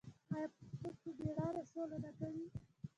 آیا پښتون په میړانه سوله نه کوي؟